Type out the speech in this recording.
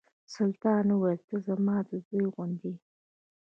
سلطان ویل ته زما د زوی غوندې یې.